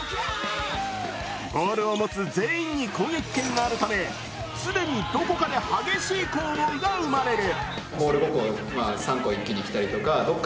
ボールを持つ全員に攻撃権があるため常にどこかで激しい攻防が生まれる。